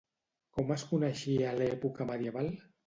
Com es coneixia a l'època medieval?